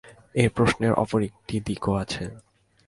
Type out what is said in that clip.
এই প্রশ্নের অপর একটি দিকও আছে।